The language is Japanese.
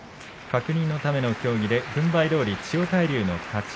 確認のための協議で軍配どおり千代大龍の勝ち。